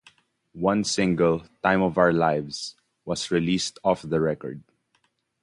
One single, "Time of our Lives" was released off the record.